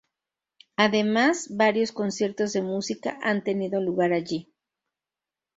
Además, varios conciertos de música han tenido lugar allí.